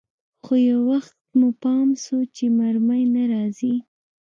خو يو وخت مو پام سو چې مرمۍ نه راځي.